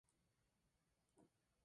Obtuvo el grado de Capitán.